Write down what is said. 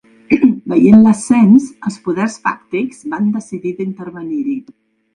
Veient l’ascens, els poders fàctics van decidir d’intervenir-hi.